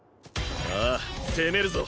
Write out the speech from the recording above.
ああ攻めるぞ！